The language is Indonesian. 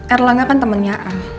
erlangga kan temennya